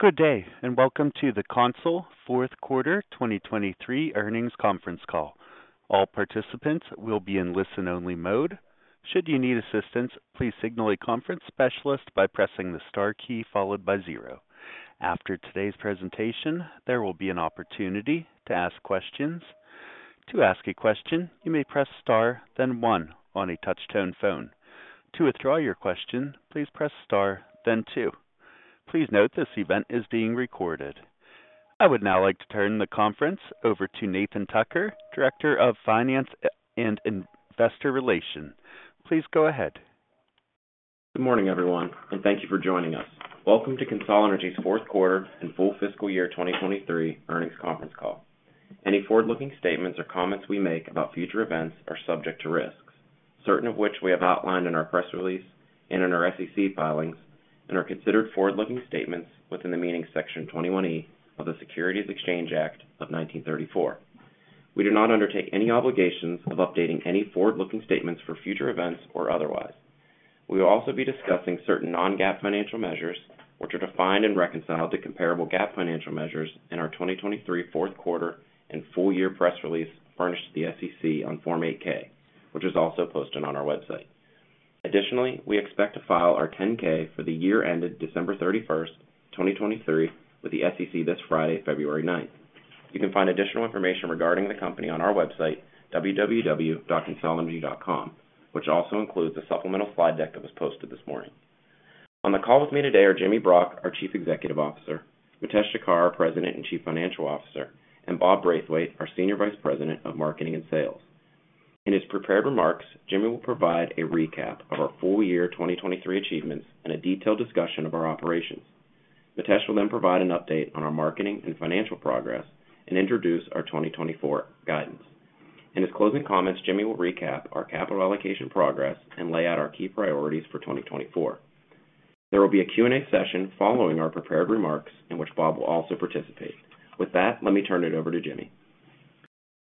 Good day, and welcome to the CONSOL Fourth Quarter 2023 Earnings Conference Call. All participants will be in listen-only mode. Should you need assistance, please signal a conference specialist by pressing the star key followed by zero. After today's presentation, there will be an opportunity to ask questions. To ask a question, you may press star, then one on a touch-tone phone. To withdraw your question, please press star, then two. Please note, this event is being recorded. I would now like to turn the conference over to Nathan Tucker, Director of Finance and Investor Relations. Please go ahead. Good morning, everyone, and thank you for joining us. Welcome to CONSOL Energy's fourth quarter and full fiscal year 2023 earnings conference call. Any forward-looking statements or comments we make about future events are subject to risks, certain of which we have outlined in our press release and in our SEC filings and are considered forward-looking statements within the meaning of Section 21E of the Securities Exchange Act of 1934. We do not undertake any obligations of updating any forward-looking statements for future events or otherwise. We will also be discussing certain non-GAAP financial measures, which are defined and reconciled to comparable GAAP financial measures in our 2023 fourth quarter and full year press release furnished to the SEC on Form 8-K, which is also posted on our website. Additionally, we expect to file our 10-K for the year ended December 31, 2023 with the SEC this Friday, February 9. You can find additional information regarding the company on our website, www.consolenergy.com, which also includes a supplemental slide deck that was posted this morning. On the call with me today are Jimmy Brock, our Chief Executive Officer, Mitesh Thakkar, our President and Chief Financial Officer, and Bob Braithwaite, our Senior Vice President of Marketing and Sales. In his prepared remarks, Jimmy will provide a recap of our full year 2023 achievements and a detailed discussion of our operations. Mitesh will then provide an update on our marketing and financial progress and introduce our 2024 guidance. In his closing comments, Jimmy will recap our capital allocation progress and lay out our key priorities for 2024. There will be a Q&A session following our prepared remarks in which Bob will also participate. With that, let me turn it over to Jimmy.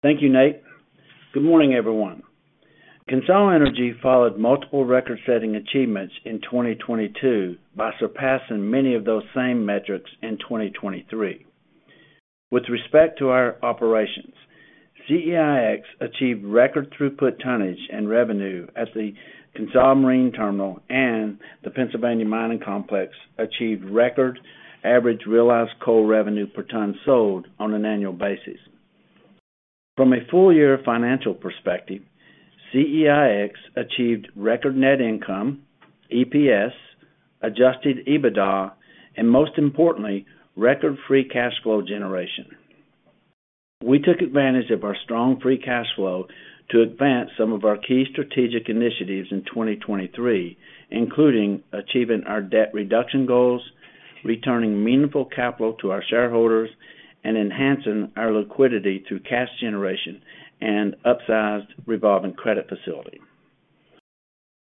Thank you, Nate. Good morning, everyone. CONSOL Energy followed multiple record-setting achievements in 2022 by surpassing many of those same metrics in 2023. With respect to our operations, CEIX achieved record throughput tonnage and revenue as the CONSOL Marine Terminal and the Pennsylvania Mining Complex achieved record average realized coal revenue per ton sold on an annual basis. From a full year financial perspective, CEIX achieved record Net Income, EPS, Adjusted EBITDA, and most importantly, record Free Cash Flow generation. We took advantage of our strong Free Cash Flow to advance some of our key strategic initiatives in 2023, including achieving our debt reduction goals, returning meaningful capital to our shareholders, and enhancing our liquidity through cash generation and upsized revolving credit facility.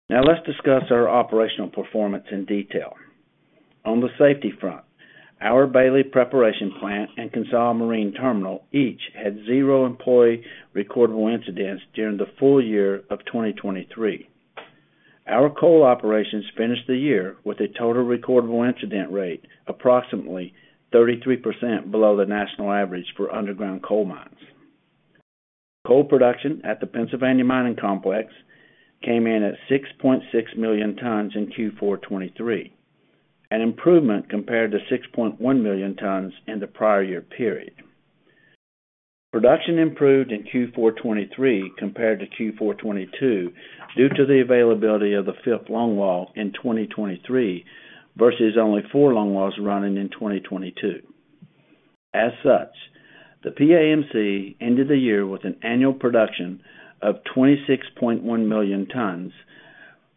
Now, let's discuss our operational performance in detail. On the safety front, our Bailey Preparation Plant and CONSOL Marine Terminal each had 0 employee recordable incidents during the full year of 2023. Our coal operations finished the year with a total recordable incident rate approximately 33% below the national average for underground coal mines. Coal production at the Pennsylvania Mining Complex came in at 6.6 million tons in Q4 2023, an improvement compared to 6.1 million tons in the prior year period. Production improved in Q4 2023 compared to Q4 2022 due to the availability of the fifth longwall in 2023 versus only four longwalls running in 2022. As such, the PAMC ended the year with an annual production of 26.1 million tons,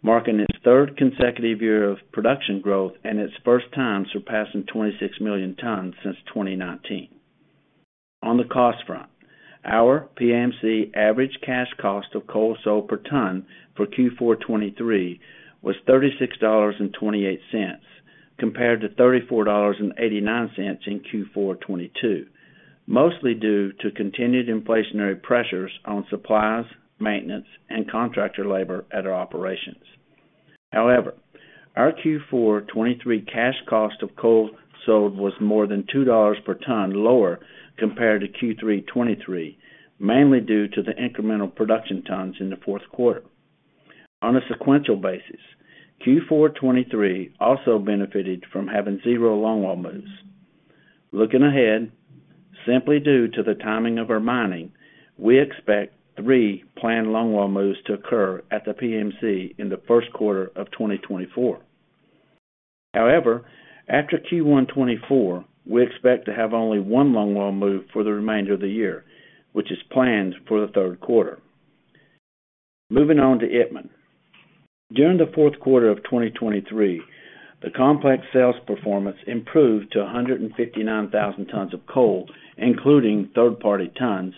marking its third consecutive year of production growth and its first time surpassing 26 million tons since 2019. On the cost front, our PAMC average cash cost of coal sold per ton for Q4 2023 was $36.28, compared to $34.89 in Q4 2022, mostly due to continued inflationary pressures on supplies, maintenance, and contractor labor at our operations. However, our Q4 2023 cash cost of coal sold was more than $2 per ton lower compared to Q3 2023, mainly due to the incremental production tons in the fourth quarter. On a sequential basis, Q4 2023 also benefited from having zero longwall moves. Looking ahead, simply due to the timing of our mining, we expect 3 planned longwall moves to occur at the PAMC in the first quarter of 2024. However, after Q1 2024, we expect to have only 1 longwall move for the remainder of the year, which is planned for the third quarter. Moving on to Itmann. During the fourth quarter of 2023, the complex sales performance improved to 159,000 tons of coal, including third-party tons,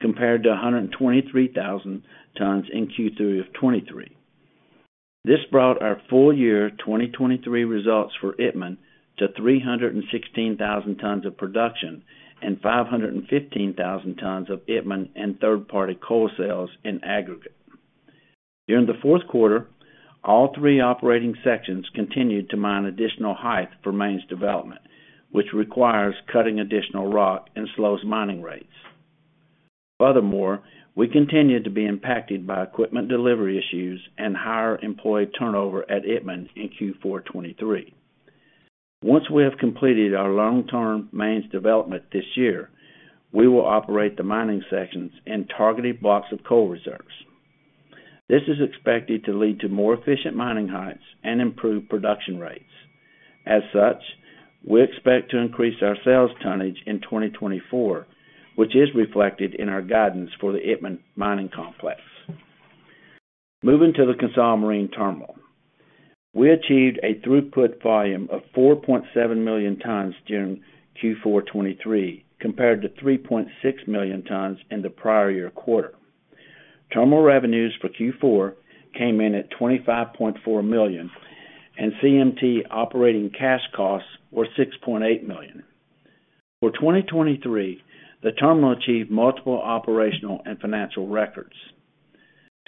compared to 123,000 tons in Q3 of 2023. This brought our full year 2023 results for Itmann to 316,000 tons of production and 515,000 tons of Itmann and third-party coal sales in aggregate.... During the fourth quarter, all three operating sections continued to mine additional height for mains development, which requires cutting additional rock and slows mining rates. Furthermore, we continued to be impacted by equipment delivery issues and higher employee turnover at Itmann in Q4 2023. Once we have completed our long-term mains development this year, we will operate the mining sections in targeted blocks of coal reserves. This is expected to lead to more efficient mining heights and improved production rates. As such, we expect to increase our sales tonnage in 2024, which is reflected in our guidance for the Itmann Mining Complex. Moving to the CONSOL Marine Terminal. We achieved a throughput volume of 4.7 million tons during Q4 '23, compared to 3.6 million tons in the prior year quarter. Terminal revenues for Q4 came in at $25.4 million, and CMT operating cash costs were $6.8 million. For 2023, the terminal achieved multiple operational and financial records.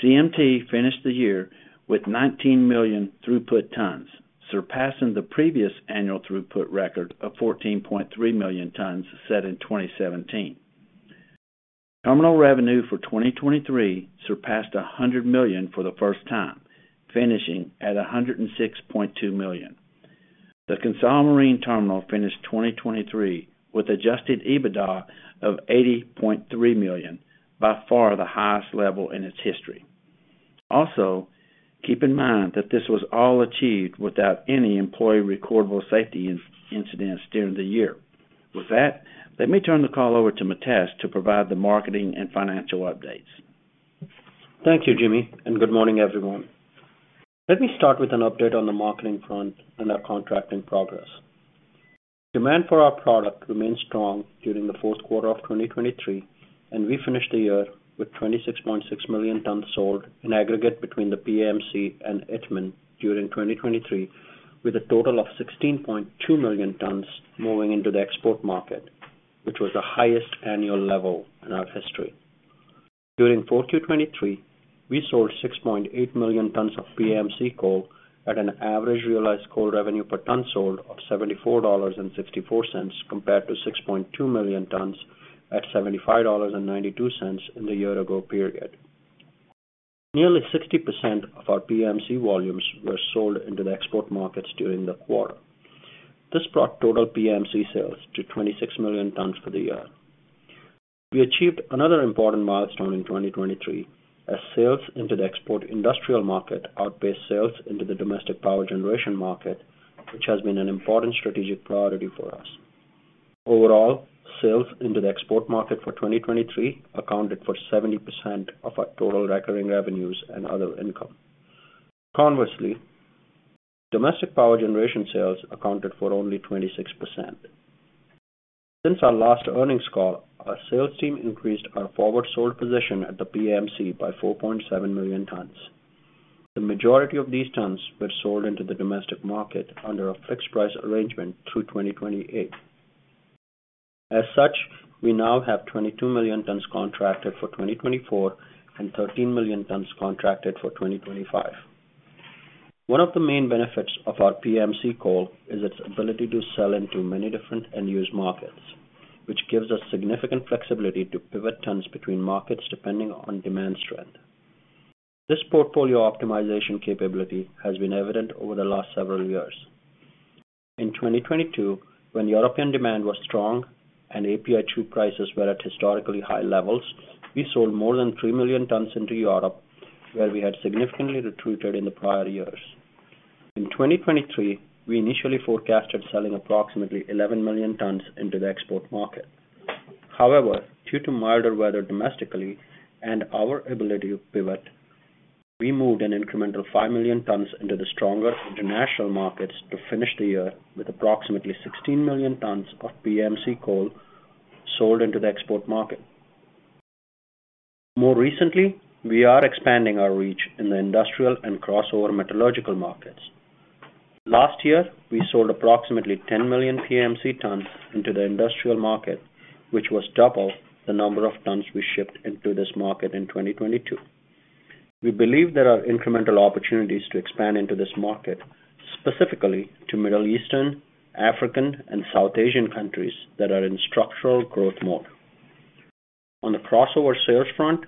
CMT finished the year with 19 million throughput tons, surpassing the previous annual throughput record of 14.3 million tons, set in 2017. Terminal revenue for 2023 surpassed $100 million for the first time, finishing at $106.2 million. The CONSOL Marine Terminal finished 2023 with Adjusted EBITDA of $80.3 million, by far the highest level in its history. Also, keep in mind that this was all achieved without any employee recordable safety incidents during the year. With that, let me turn the call over to Mitesh to provide the marketing and financial updates. Thank you, Jimmy, and good morning, everyone. Let me start with an update on the marketing front and our contracting progress. Demand for our product remained strong during the fourth quarter of 2023, and we finished the year with 26.6 million tons sold in aggregate between the PAMC and Itmann during 2023, with a total of 16.2 million tons moving into the export market, which was the highest annual level in our history. During 4Q23, we sold 6.8 million tons of PAMC coal at an average realized coal revenue per ton sold of $74.64, compared to 6.2 million tons at $75.92 in the year ago period. Nearly 60% of our PAMC volumes were sold into the export markets during the quarter. This brought total PAMC sales to 26 million tons for the year. We achieved another important milestone in 2023, as sales into the export industrial market outpaced sales into the domestic power generation market, which has been an important strategic priority for us. Overall, sales into the export market for 2023 accounted for 70% of our total recurring revenues and other income. Conversely, domestic power generation sales accounted for only 26%. Since our last earnings call, our sales team increased our forward sold position at the PAMC by 4.7 million tons. The majority of these tons were sold into the domestic market under a fixed price arrangement through 2028. As such, we now have 22 million tons contracted for 2024 and 13 million tons contracted for 2025. One of the main benefits of our PAMC coal is its ability to sell into many different end-use markets, which gives us significant flexibility to pivot tons between markets depending on demand strength. This portfolio optimization capability has been evident over the last several years. In 2022, when European demand was strong and API 2 prices were at historically high levels, we sold more than 3,000,000 tons into Europe, where we had significantly retreated in the prior years. In 2023, we initially forecasted selling approximately 11,000,000 tons into the export market. However, due to milder weather domestically and our ability to pivot, we moved an incremental 5,000,000 tons into the stronger international markets to finish the year with approximately 16,000,000 tons of PAMC coal sold into the export market. More recently, we are expanding our reach in the industrial and crossover metallurgical markets. Last year, we sold approximately 10,000,000 PAMC tons into the industrial market, which was double the number of tons we shipped into this market in 2022. We believe there are incremental opportunities to expand into this market, specifically to Middle Eastern, African, and South Asian countries that are in structural growth mode. On the crossover sales front,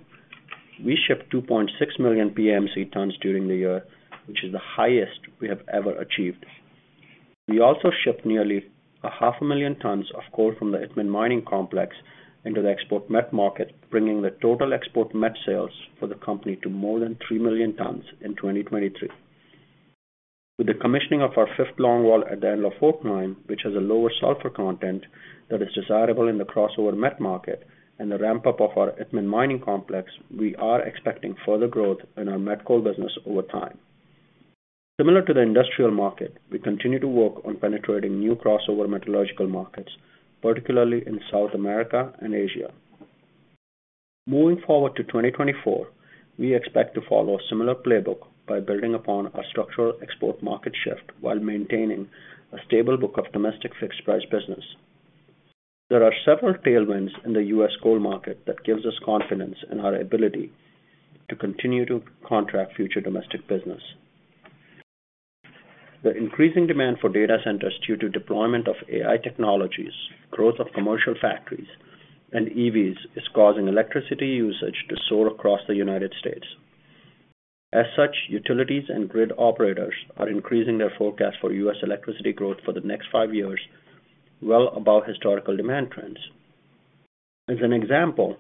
we shipped 2,600,000 PAMC tons during the year, which is the highest we have ever achieved. We also shipped nearly 500,000 tons of coal from the Itmann Mining Complex into the export met market, bringing the total export met sales for the company to more than 3,000,000 tons in 2023. With the commissioning of our fifth longwall at the end of Enlow Fork Mine, which has a lower sulfur content that is desirable in the crossover met market and the ramp-up of our Itmann Mining Complex, we are expecting further growth in our met coal business over time. Similar to the industrial market, we continue to work on penetrating new crossover metallurgical markets, particularly in South America and Asia. Moving forward to 2024, we expect to follow a similar playbook by building upon our structural export market shift while maintaining a stable book of domestic fixed price business. There are several tailwinds in the U.S. coal market that gives us confidence in our ability to continue to contract future domestic business. The increasing demand for data centers due to deployment of AI technologies, growth of commercial factories, and EVs, is causing electricity usage to soar across the United States. As such, utilities and grid operators are increasing their forecast for U.S. electricity growth for the next five years, well above historical demand trends. As an example,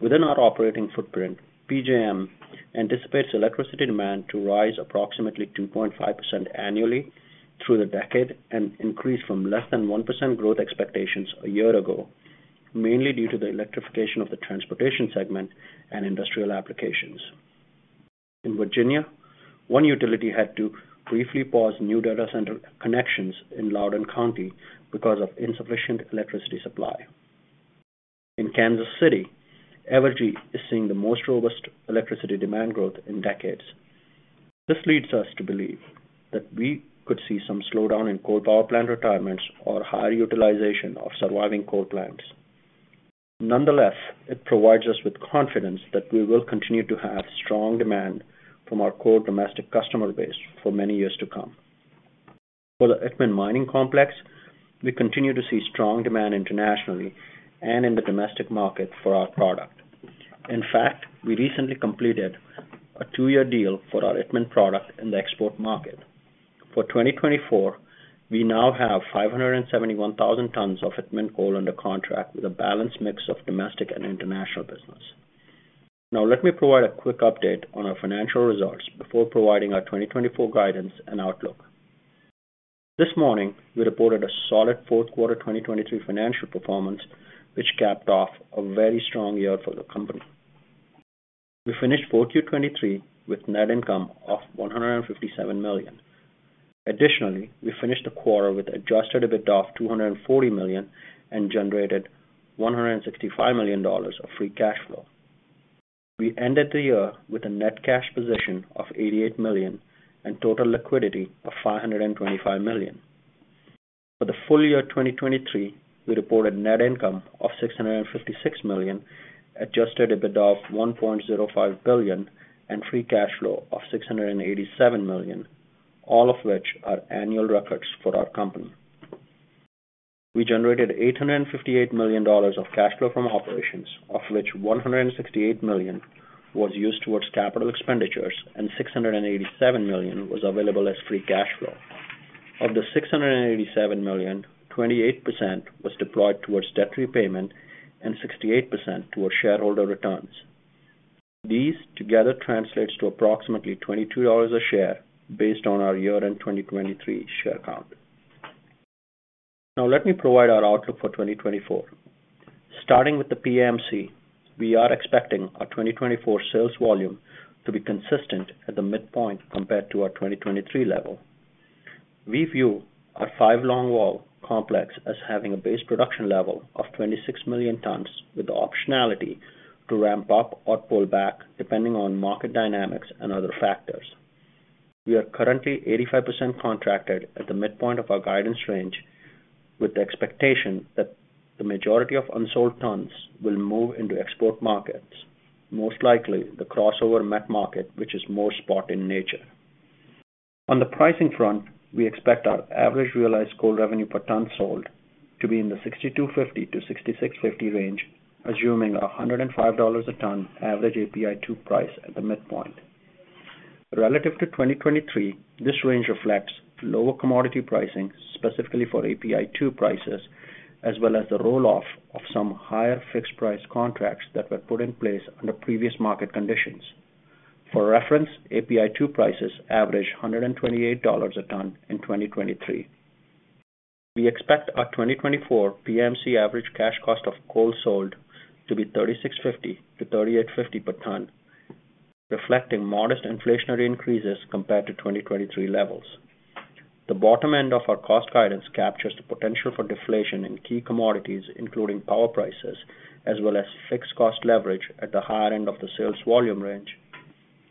within our operating footprint, PJM anticipates electricity demand to rise approximately 2.5% annually through the decade and increase from less than 1% growth expectations a year ago, mainly due to the electrification of the transportation segment and industrial applications. In Virginia, one utility had to briefly pause new data center connections in Loudoun County because of insufficient electricity supply. In Kansas City, Evergy is seeing the most robust electricity demand growth in decades. This leads us to believe that we could see some slowdown in coal power plant retirements or higher utilization of surviving coal plants. Nonetheless, it provides us with confidence that we will continue to have strong demand from our core domestic customer base for many years to come. For the Itmann Mining Complex, we continue to see strong demand internationally and in the domestic market for our product. In fact, we recently completed a two-year deal for our Itmann product in the export market. For 2024, we now have 571,000 tons of Itmann coal under contract, with a balanced mix of domestic and international business. Now let me provide a quick update on our financial results before providing our 2024 guidance and outlook. This morning, we reported a solid fourth quarter 2023 financial performance, which capped off a very strong year for the company. We finished 4Q2023 with net income of $157 million. Additionally, we finished the quarter with Adjusted EBITDA of $240 million and generated $165 million of free cash flow. We ended the year with a net cash position of $88 million and total liquidity of $525 million. For the full year 2023, we reported net income of $656 million, Adjusted EBITDA of $1.05 billion, and free cash flow of $687 million, all of which are annual records for our company. We generated $858 million of cash flow from operations, of which $168 million was used towards capital expenditures and $687 million was available as free cash flow. Of the $687 million, 28% was deployed towards debt repayment and 68% towards shareholder returns. These together translates to approximately $22 a share based on our year-end 2023 share count. Now let me provide our outlook for 2024. Starting with the PAMC, we are expecting our 2024 sales volume to be consistent at the midpoint compared to our 2023 level. We view our 5 longwall complex as having a base production level of 26 million tons, with the optionality to ramp up or pull back, depending on market dynamics and other factors. We are currently 85% contracted at the midpoint of our guidance range, with the expectation that the majority of unsold tons will move into export markets, most likely the crossover met market, which is more spot in nature. On the pricing front, we expect our average realized coal revenue per ton sold to be in the $62.50-$66.50 range, assuming a $105/ton average API 2 price at the midpoint. Relative to 2023, this range reflects lower commodity pricing, specifically for API 2 prices, as well as the roll-off of some higher fixed-price contracts that were put in place under previous market conditions. For reference, API 2 prices averaged $128/ton in 2023. We expect our 2024 PMC average cash cost of coal sold to be $36.50-$38.50 per ton, reflecting modest inflationary increases compared to 2023 levels. The bottom end of our cost guidance captures the potential for deflation in key commodities, including power prices, as well as fixed cost leverage at the higher end of the sales volume range.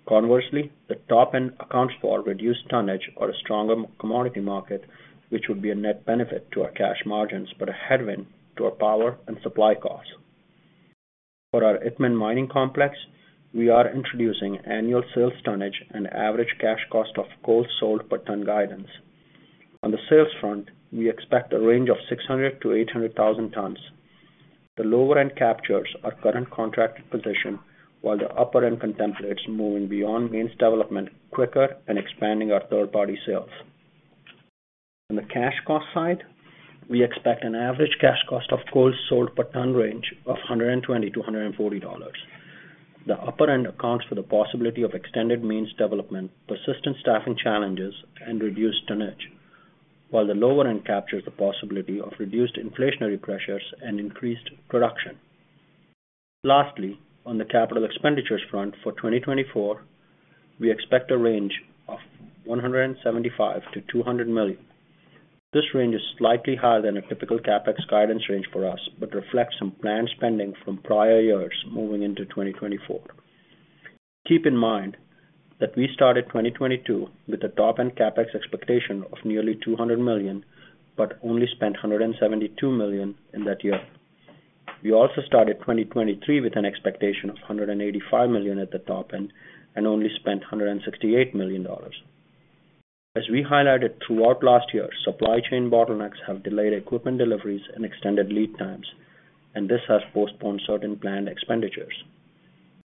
Conversely, the top end accounts for reduced tonnage or a stronger commodity market, which would be a net benefit to our cash margins, but a headwind to our power and supply costs. For our Itmann Mining Complex, we are introducing annual sales tonnage and average cash cost of coal sold per ton guidance. On the sales front, we expect a range of 600,000-800,000 tons. The lower end captures our current contracted position, while the upper end contemplates moving beyond mains development quicker and expanding our third-party sales. On the cash cost side, we expect an average cash cost of coal sold per ton range of $120-$140. The upper end accounts for the possibility of extended mains development, persistent staffing challenges, and reduced tonnage, while the lower end captures the possibility of reduced inflationary pressures and increased production. Lastly, on the capital expenditures front, for 2024, we expect a range of $175 million-$200 million. This range is slightly higher than a typical CapEx guidance range for us, but reflects some planned spending from prior years moving into 2024. Keep in mind that we started 2022 with a top-end CapEx expectation of nearly $200 million, but only spent $172 million in that year. We also started 2023 with an expectation of $185 million at the top end and only spent $168 million. As we highlighted throughout last year, supply chain bottlenecks have delayed equipment deliveries and extended lead times, and this has postponed certain planned expenditures.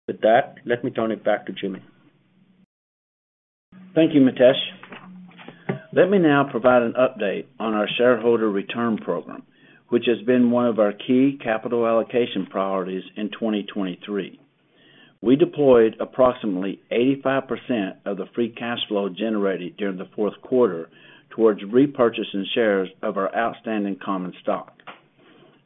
With that, let me turn it back to Jimmy. Thank you, Mitesh. Let me now provide an update on our shareholder return program, which has been one of our key capital allocation priorities in 2023. We deployed approximately 85% of the free cash flow generated during the fourth quarter towards repurchasing shares of our outstanding common stock.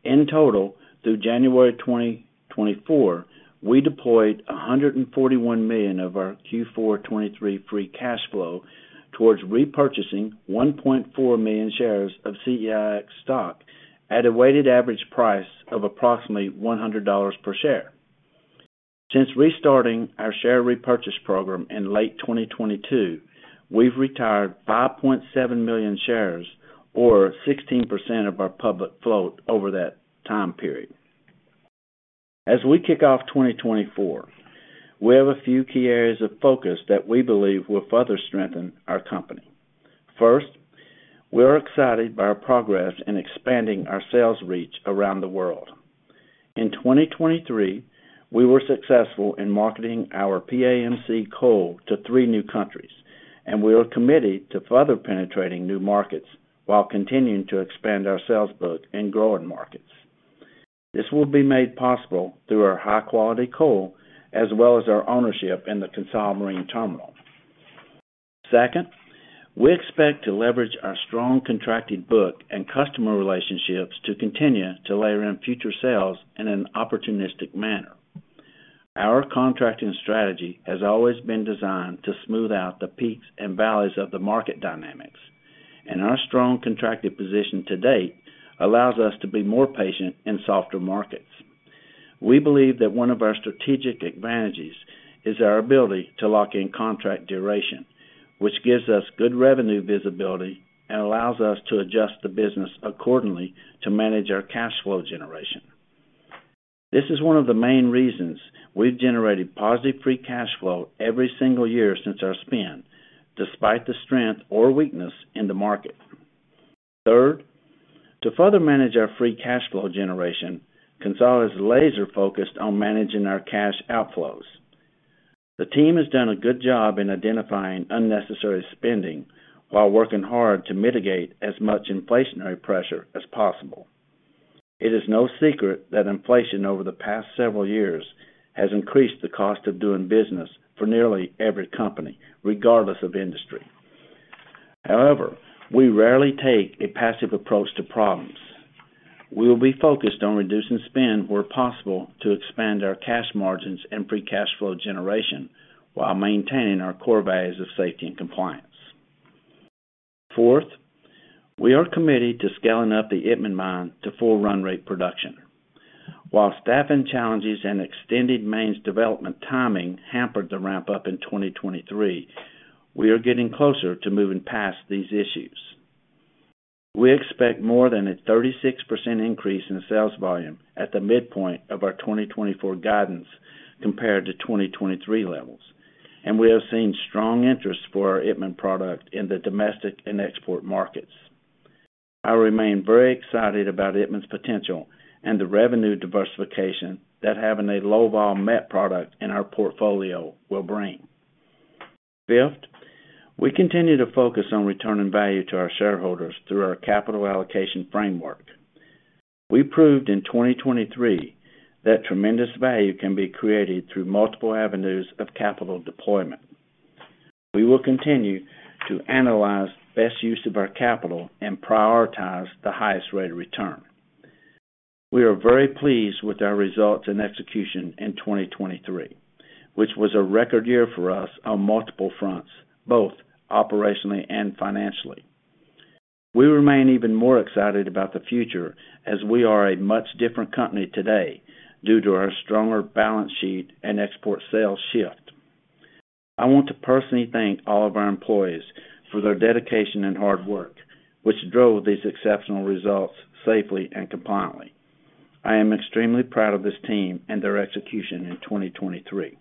In total, through January 2024, we deployed $141 million of our Q4 2023 free cash flow towards repurchasing 1.4 million shares of CEIX stock at a weighted average price of approximately $100 per share. Since restarting our share repurchase program in late 2022, we've retired 5.7 million shares, or 16% of our public float, over that time period. As we kick off 2024, we have a few key areas of focus that we believe will further strengthen our company. First, we are excited by our progress in expanding our sales reach around the world. In 2023, we were successful in marketing our PAMC coal to three new countries, and we are committed to further penetrating new markets while continuing to expand our sales book in growing markets. This will be made possible through our high-quality coal as well as our ownership in the CONSOL Marine Terminal. Second, we expect to leverage our strong contracted book and customer relationships to continue to layer in future sales in an opportunistic manner. Our contracting strategy has always been designed to smooth out the peaks and valleys of the market dynamics, and our strong contracted position to date allows us to be more patient in softer markets. We believe that one of our strategic advantages is our ability to lock in contract duration, which gives us good revenue visibility and allows us to adjust the business accordingly to manage our cash flow generation. This is one of the main reasons we've generated positive free cash flow every single year since our spin, despite the strength or weakness in the market. Third, to further manage our free cash flow generation, CONSOL is laser-focused on managing our cash outflows. The team has done a good job in identifying unnecessary spending while working hard to mitigate as much inflationary pressure as possible. It is no secret that inflation over the past several years has increased the cost of doing business for nearly every company, regardless of industry. However, we rarely take a passive approach to problems. We will be focused on reducing spend where possible to expand our cash margins and free cash flow generation while maintaining our core values of safety and compliance. Fourth, we are committed to scaling up the Itmann Mine to full run rate production. While staffing challenges and extended mains development timing hampered the ramp-up in 2023, we are getting closer to moving past these issues. We expect more than a 36% increase in sales volume at the midpoint of our 2024 guidance compared to 2023 levels, and we have seen strong interest for our Itmann product in the domestic and export markets. I remain very excited about Itmann's potential and the revenue diversification that having a low-vol met product in our portfolio will bring. Fifth, we continue to focus on returning value to our shareholders through our capital allocation framework. We proved in 2023 that tremendous value can be created through multiple avenues of capital deployment. We will continue to analyze best use of our capital and prioritize the highest rate of return. We are very pleased with our results and execution in 2023, which was a record year for us on multiple fronts, both operationally and financially. We remain even more excited about the future as we are a much different company today due to our stronger balance sheet and export sales shift. I want to personally thank all of our employees for their dedication and hard work, which drove these exceptional results safely and compliantly. I am extremely proud of this team and their execution in 2023.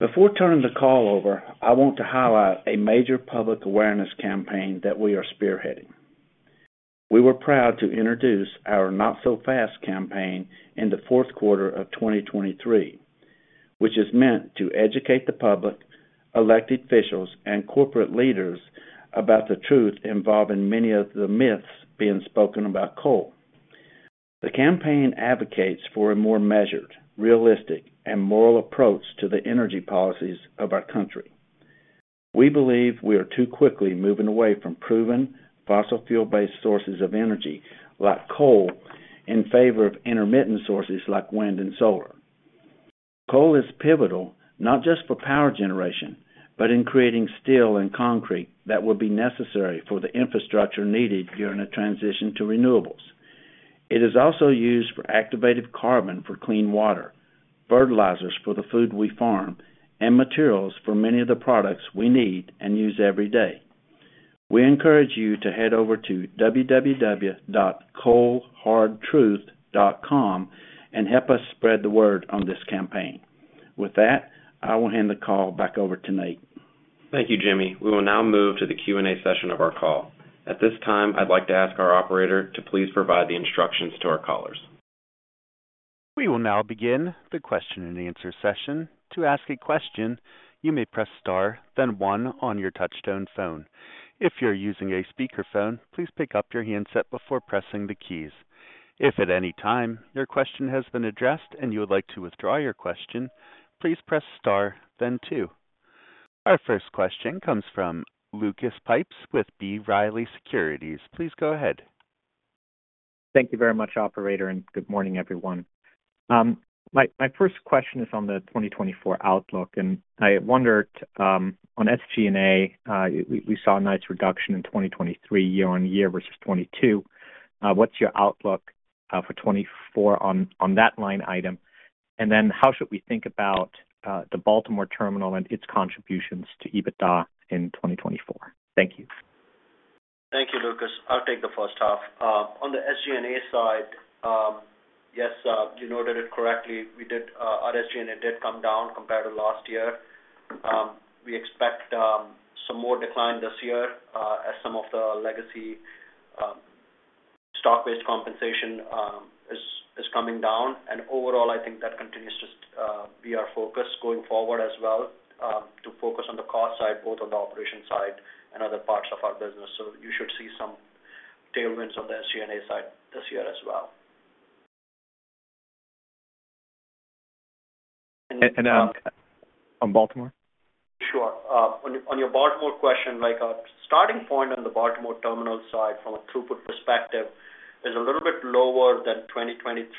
Before turning the call over, I want to highlight a major public awareness campaign that we are spearheading. We were proud to introduce our Not So Fast campaign in the fourth quarter of 2023, which is meant to educate the public, elected officials, and corporate leaders about the truth involving many of the myths being spoken about coal. The campaign advocates for a more measured, realistic, and moral approach to the energy policies of our country. We believe we are too quickly moving away from proven fossil fuel-based sources of energy, like coal, in favor of intermittent sources like wind and solar. Coal is pivotal, not just for power generation, but in creating steel and concrete that will be necessary for the infrastructure needed during a transition to renewables.... It is also used for activated carbon, for clean water, fertilizers for the food we farm, and materials for many of the products we need and use every day. We encourage you to head over to www.coalhardtruth.com and help us spread the word on this campaign. With that, I will hand the call back over to Nate. Thank you, Jimmy. We will now move to the Q&A session of our call. At this time, I'd like to ask our operator to please provide the instructions to our callers. We will now begin the question and answer session. To ask a question, you may press Star, then one on your touchtone phone. If you're using a speakerphone, please pick up your handset before pressing the keys. If at any time your question has been addressed and you would like to withdraw your question, please press Star then two. Our first question comes from Lucas Pipes with B. Riley Securities. Please go ahead. Thank you very much, operator, and good morning, everyone. My first question is on the 2024 outlook, and I wondered on SG&A, we saw a nice reduction in 2023, year-on-year versus 2022. What's your outlook for 2024 on that line item? And then how should we think about the Baltimore Terminal and its contributions to EBITDA in 2024? Thank you. Thank you, Lucas. I'll take the first half. On the SG&A side, yes, you noted it correctly. We did, our SG&A did come down compared to last year. We expect some more decline this year, as some of the legacy stock-based compensation is coming down. And overall, I think that continues to be our focus going forward as well, to focus on the cost side, both on the operation side and other parts of our business. So you should see some tailwinds on the SG&A side this year as well. On Baltimore? Sure. On your, on your Baltimore question, like, our starting point on the Baltimore Terminal side from a throughput perspective is a little bit lower than 2023.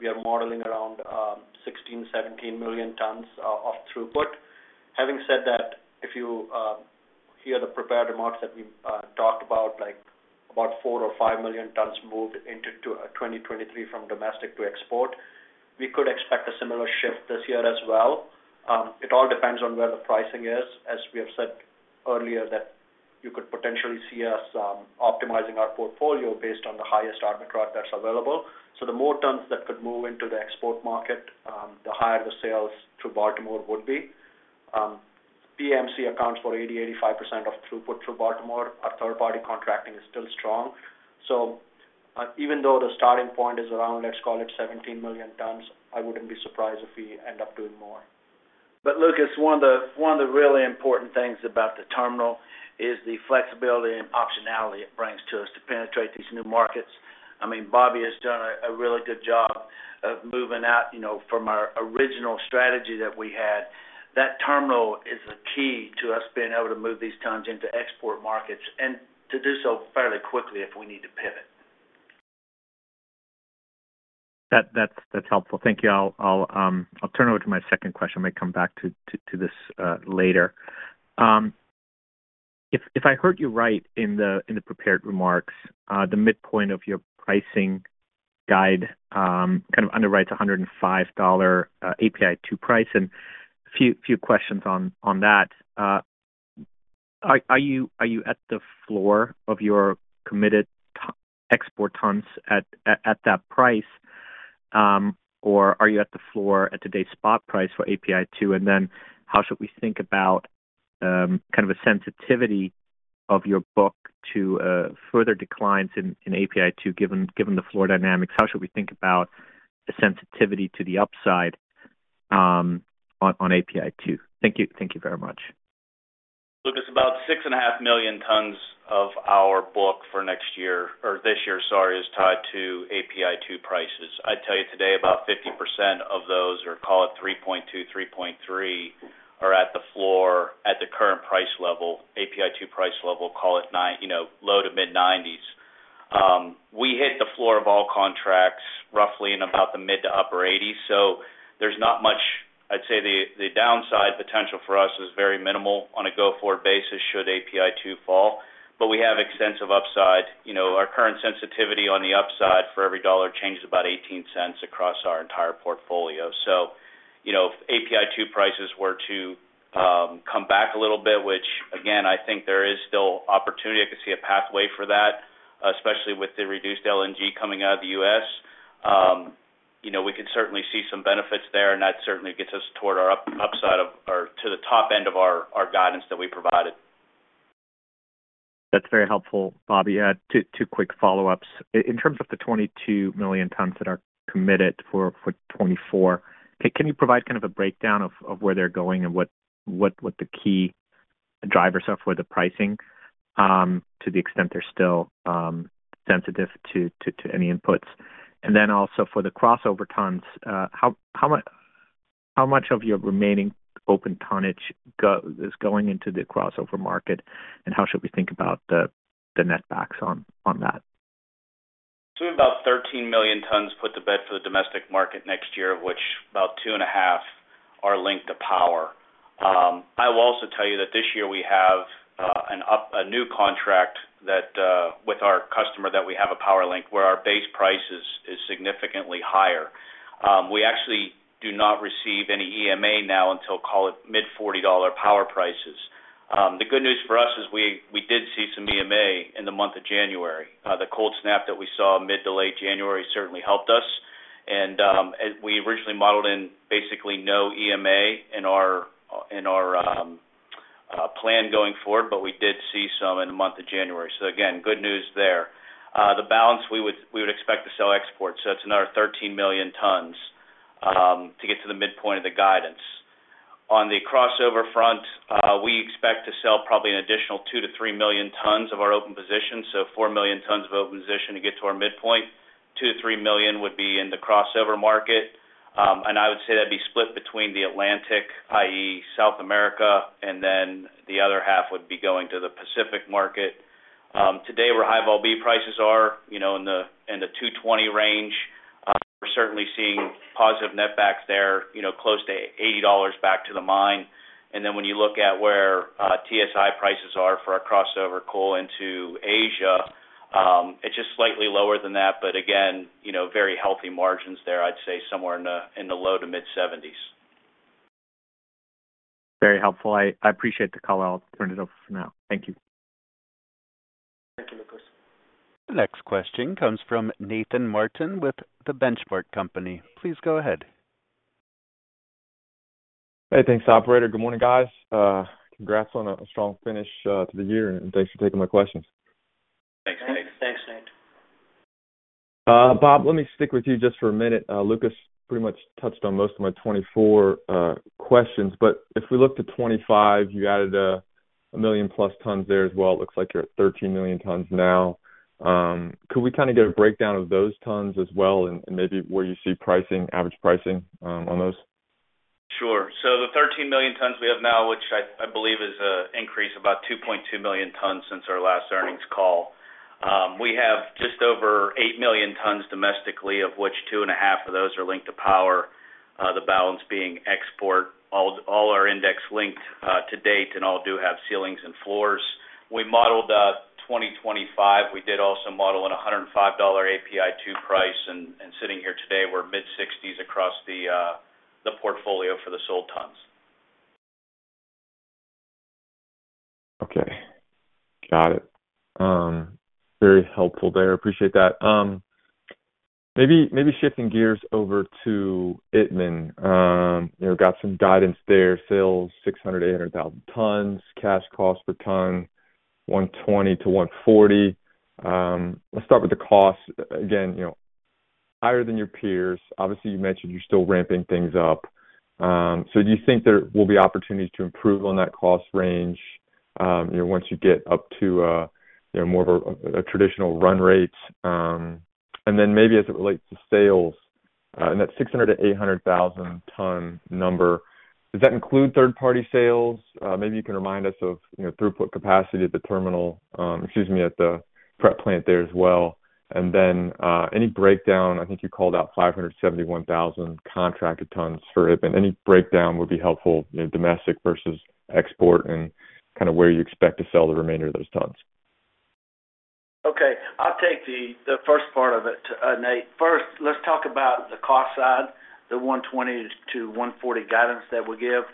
We are modeling around 16-17 million tons of throughput. Having said that, if you hear the prepared remarks that we talked about, like about 4-5 million tons moved into 2023 from domestic to export, we could expect a similar shift this year as well. It all depends on where the pricing is. As we have said earlier, that you could potentially see us optimizing our portfolio based on the highest arb that's available. So the more tons that could move into the export market, the higher the sales through Baltimore would be. CMT accounts for 80%-85% of throughput through Baltimore. Our third-party contracting is still strong, so, even though the starting point is around, let's call it 17 million tons, I wouldn't be surprised if we end up doing more. But Lucas, one of the really important things about the terminal is the flexibility and optionality it brings to us to penetrate these new markets. I mean, Bobby has done a really good job of moving out, you know, from our original strategy that we had. That terminal is a key to us being able to move these tons into export markets and to do so fairly quickly if we need to pivot. That’s helpful. Thank you. I’ll turn over to my second question. I may come back to this later. If I heard you right in the prepared remarks, the midpoint of your pricing guide kind of underwrites a $105 API 2 price, and a few questions on that. Are you at the floor of your committed export tons at that price? Or are you at the floor at today’s spot price for API 2? And then how should we think about kind of a sensitivity of your book to further declines in API 2, given the floor dynamics? How should we think about the sensitivity to the upside on API 2? Thank you. Thank you very much. Lucas, about 6.5 million tons of our book for next year or this year, sorry, is tied to API 2 prices. I'd tell you today, about 50% of those, or call it 3.2, 3.3, are at the floor at the current price level, API 2 price level, call it $90, you know, low- to mid-$90s. We hit the floor of all contracts roughly in about the mid- to upper 80s, so there's not much... I'd say the, the downside potential for us is very minimal on a go-forward basis, should API 2 fall. But we have extensive upside. You know, our current sensitivity on the upside for every $1 change is about $0.18 across our entire portfolio. So, you know, if API 2 prices were to come back a little bit, which again, I think there is still opportunity, I could see a pathway for that, especially with the reduced LNG coming out of the U.S., you know, we could certainly see some benefits there, and that certainly gets us toward our up- upside of or to the top end of our, our guidance that we provided. That's very helpful, Bobby. Two quick follow-ups. In terms of the 22 million tons that are committed for 2024, can you provide kind of a breakdown of where they're going and what the key drivers are for the pricing, to the extent they're still sensitive to any inputs? And then also for the crossover tons, how much of your remaining open tonnage is going into the crossover market, and how should we think about the net backs on that? So about 13 million tons put to bed for the domestic market next year, which about 2.5 are linked to power. I will also tell you that this year we have a new contract with our customer that we have a power link where our base price is significantly higher. We actually do not receive any EMA now until, call it, mid-$40 power prices. The good news for us is we did see some EMA in the month of January. The cold snap that we saw mid to late January certainly helped us. And we originally modeled in basically no EMA in our plan going forward, but we did see some in the month of January. So again, good news there. The balance we would expect to sell export, so that's another 13 million tons to get to the midpoint of the guidance. On the crossover front, we expect to sell probably an additional 2-3 million tons of our open position, so 4 million tons of open position to get to our midpoint. 2-3 million would be in the crossover market. And I would say that'd be split between the Atlantic, i.e., South America, and then the other half would be going to the Pacific market. Today, where High Vol B prices are, you know, in the $220 range, we're certainly seeing positive net backs there, you know, close to $80 back to the mine. And then when you look at where TSI prices are for our crossover coal into Asia, it's just slightly lower than that. But again, you know, very healthy margins there. I'd say somewhere in the low to mid-seventies. Very helpful. I appreciate the call. I'll turn it over for now. Thank you. Thank you, Lucas. The next question comes from Nathan Martin with The Benchmark Company. Please go ahead. Hey, thanks, operator. Good morning, guys. Congrats on a strong finish to the year, and thanks for taking my questions. Thanks, Nate. Thanks, Nate. Bob, let me stick with you just for a minute. Lucas pretty much touched on most of my 24 questions, but if we look to 25, you added a million-plus tons there as well. It looks like you're at 13 million tons now. Could we kind of get a breakdown of those tons as well and maybe where you see pricing, average pricing, on those? Sure. So the 13 million tons we have now, which I believe is an increase about 2.2 million tons since our last earnings call. We have just over 8 million tons domestically, of which 2.5 of those are linked to power, the balance being export. All our index linked to date, and all do have ceilings and floors. We modeled 2025. We did also model in a $105 API 2 price, and sitting here today, we're mid-60s across the portfolio for the sold tons. Okay. Got it. Very helpful there. Appreciate that. Maybe, maybe shifting gears over to Itmann. You know, got some guidance there. Sales 600,000-800,000 tons, cash cost per ton $120-$140. Let's start with the cost. Again, you know, higher than your peers. Obviously, you mentioned you're still ramping things up. So do you think there will be opportunities to improve on that cost range, you know, once you get up to, you know, more of a traditional run rates? And then maybe as it relates to sales, and that 600,000-800,000 ton number, does that include third-party sales? Maybe you can remind us of, you know, throughput capacity at the terminal, excuse me, at the prep plant there as well. And then, any breakdown, I think you called out 571,000 contracted tons for Itmann. Any breakdown would be helpful, you know, domestic versus export and kinda where you expect to sell the remainder of those tons. Okay, I'll take the first part of it, Nate. First, let's talk about the cost side, the $120-$140 guidance that we give.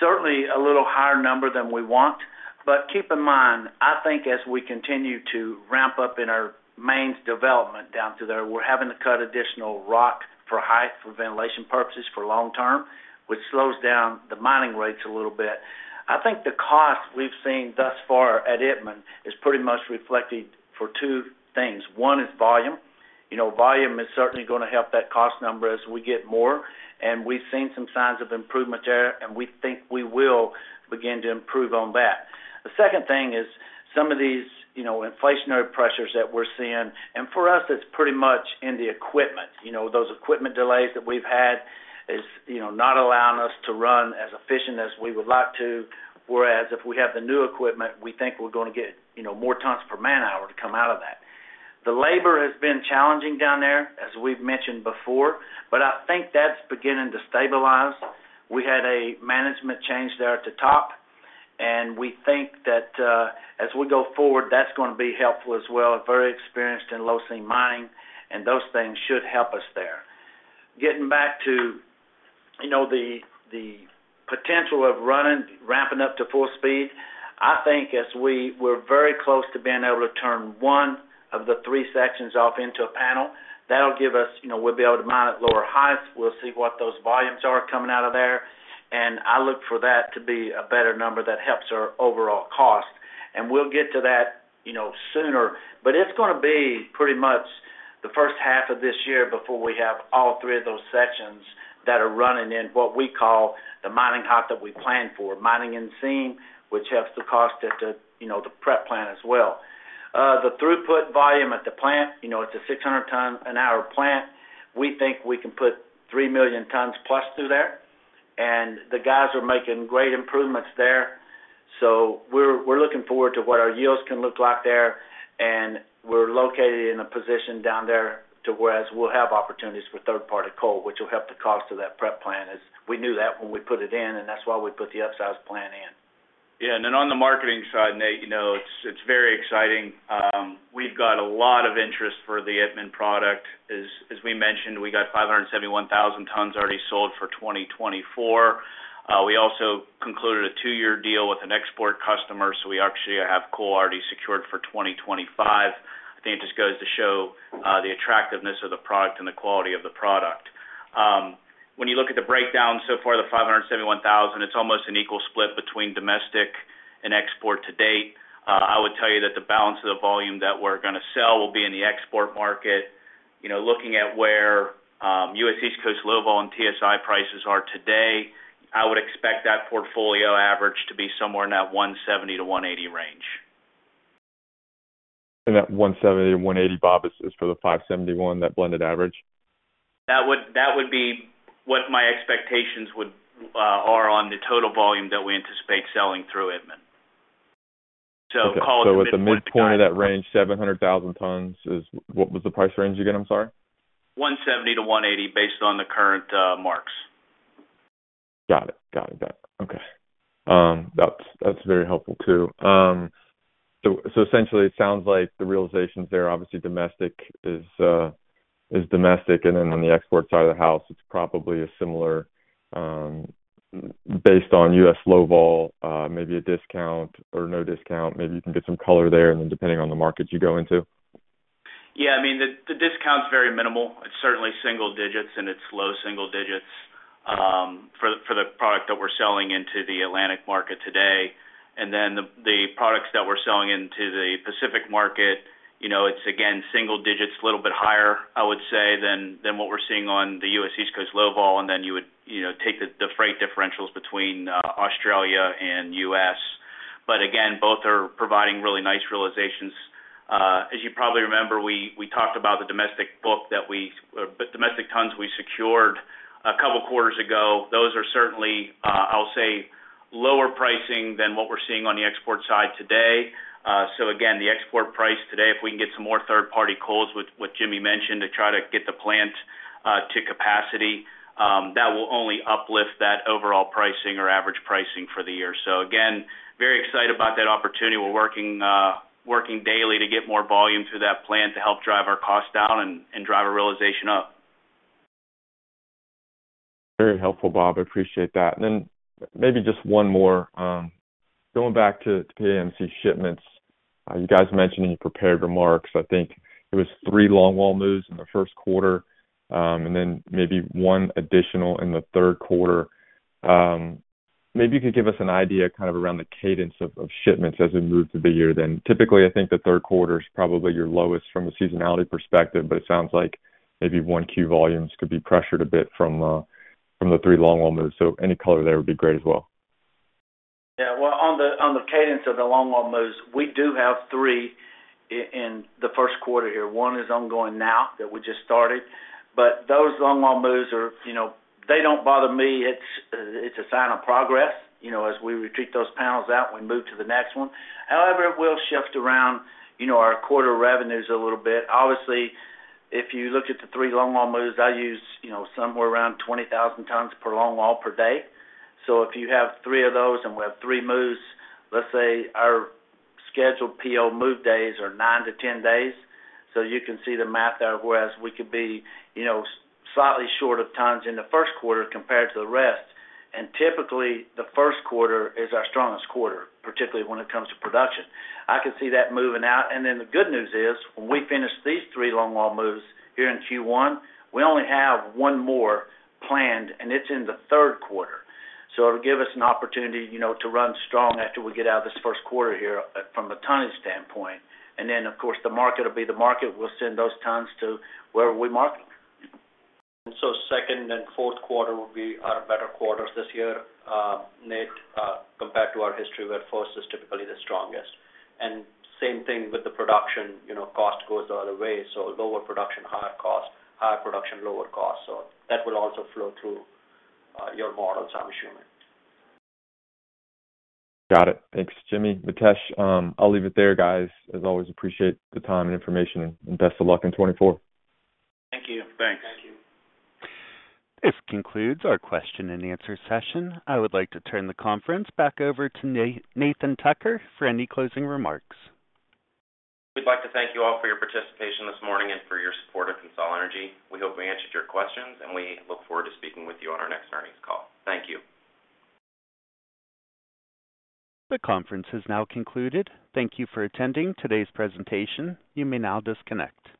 Certainly, a little higher number than we want, but keep in mind, I think as we continue to ramp up in our mains development down to there, we're having to cut additional rock for height, for ventilation purposes, for long term, which slows down the mining rates a little bit. I think the cost we've seen thus far at Itmann is pretty much reflected for two things. One is volume. You know, volume is certainly going to help that cost number as we get more, and we've seen some signs of improvement there, and we think we will begin to improve on that. The second thing is some of these, you know, inflationary pressures that we're seeing, and for us, it's pretty much in the equipment. You know, those equipment delays that we've had is, you know, not allowing us to run as efficient as we would like to, whereas if we have the new equipment, we think we're going to get, you know, more tons per man-hour to come out of that. The labor has been challenging down there, as we've mentioned before, but I think that's beginning to stabilize. We had a management change there at the top, and we think that, as we go forward, that's going to be helpful as well. Very experienced in low-seam mining, and those things should help us there. Getting back to, you know, the potential of running, ramping up to full speed, I think we're very close to being able to turn one of the three sections off into a panel. That'll give us, you know, we'll be able to mine at lower heights. We'll see what those volumes are coming out of there, and I look for that to be a better number that helps our overall cost. And we'll get to that, you know, sooner, but it's gonna be pretty much the first half of this year before we have all three of those sections that are running in what we call the mining height that we plan for, mining in seam, which helps the cost at the, you know, the prep plant as well. The throughput volume at the plant, you know, it's a 600 ton an hour plant. We think we can put 3 million tons plus through there, and the guys are making great improvements there. So we're, we're looking forward to what our yields can look like there, and we're located in a position down there to whereas we'll have opportunities for third-party coal, which will help the cost of that prep plant. As we knew that when we put it in, and that's why we put the upsize plant in. Yeah, and then on the marketing side, Nate, you know, it's, it's very exciting. We've got a lot of interest for the Itmann product. As, as we mentioned, we got 571,000 tons already sold for 2024. We also concluded a two-year deal with an export customer, so we actually have coal already secured for 2025. I think it just goes to show the attractiveness of the product and the quality of the product. When you look at the breakdown so far, the 571,000, it's almost an equal split between domestic and export to date. I would tell you that the balance of the volume that we're gonna sell will be in the export market. You know, looking at where U.S. East Coast Low Vol and TSI prices are today, I would expect that portfolio average to be somewhere in that $170-$180 range. That 170-180, Bob, is for the 571, that blended average? That would be what my expectations are on the total volume that we anticipate selling through Itmann. So call it- So with the midpoint of that range, 700,000 tons. What was the price range again? I'm sorry. $170-$180, based on the current marks. Got it. Got it. Got it. Okay. That's, that's very helpful, too. So, so essentially, it sounds like the realizations there, obviously domestic is, is domestic, and then on the export side of the house, it's probably a similar, based on U.S. low vol, maybe a discount or no discount. Maybe you can get some color there, and then depending on the markets you go into. Yeah, I mean, the discount is very minimal. It's certainly single digits, and it's low single digits, for the product that we're selling into the Atlantic market today. And then the products that we're selling into the Pacific market, you know, it's again, single digits, a little bit higher, I would say, than what we're seeing on the U.S. East Coast low vol, and then you would, you know, take the freight differentials between Australia and U.S. But again, both are providing really nice realizations. As you probably remember, we talked about the domestic book, the domestic tons we secured a couple of quarters ago. Those are certainly, I'll say, lower pricing than what we're seeing on the export side today. So again, the export price today, if we can get some more third-party coals, with what Jimmy mentioned, to try to get the plant to capacity, that will only uplift that overall pricing or average pricing for the year. So again, very excited about that opportunity. We're working, working daily to get more volume through that plant to help drive our cost down and, and drive our realization up. Very helpful, Bob. I appreciate that. Then maybe just one more. Going back to PAMC shipments, you guys mentioned in your prepared remarks, I think it was three longwall moves in the first quarter, and then maybe one additional in the third quarter. Maybe you could give us an idea around the cadence of shipments as we move through the year then. Typically, I think the third quarter is probably your lowest from a seasonality perspective, but it sounds like maybe 1Q volumes could be pressured a bit from the three longwall moves. Any color there would be great as well. Yeah, well, on the, on the cadence of the longwall moves, we do have three in the first quarter here. One is ongoing now that we just started, but those longwall moves are, you know, they don't bother me. It's a sign of progress. You know, as we retreat those pounds out, we move to the next one. However, it will shift around, you know, our quarter revenues a little bit. Obviously, if you look at the three longwall moves, I use, you know, somewhere around 20,000 tons per longwall per day. So if you have three of those, and we have three moves, let's say our scheduled PO move days are 9-10 days, so you can see the math there, whereas we could be, you know, slightly short of tons in the first quarter compared to the rest. And typically, the first quarter is our strongest quarter, particularly when it comes to production. I can see that moving out. And then the good news is, when we finish these 3 Longwall moves here in Q1, we only have 1 more planned, and it's in the third quarter. So it'll give us an opportunity, you know, to run strong after we get out of this first quarter here from a ton standpoint. And then, of course, the market will be the market. We'll send those tons to where we market. So second and fourth quarter will be our better quarters this year, Nate, compared to our history, where fourth is typically the strongest. And same thing with the production, you know, cost goes the other way. So lower production, higher cost. Higher production, lower cost. So that will also flow through your models, I'm assuming. Got it. Thanks, Jimmy, Mitesh. I'll leave it there, guys. As always, appreciate the time and information, and best of luck in 2024. Thank you. Thanks. Thank you. This concludes our question and answer session. I would like to turn the conference back over to Nathan Tucker for any closing remarks. We'd like to thank you all for your participation this morning and for your support of CONSOL Energy. We hope we answered your questions, and we look forward to speaking with you on our next earnings call. Thank you. The conference has now concluded. Thank you for attending today's presentation. You may now disconnect.